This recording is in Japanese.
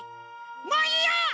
もういいよ！